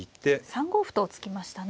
３五歩と突きましたね。